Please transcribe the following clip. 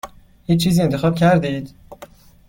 هیچ چیزی انتخاب کردید؟